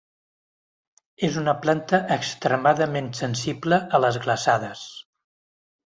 És una planta extremadament sensible a les glaçades.